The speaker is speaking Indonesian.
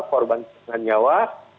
korban dengan nyawa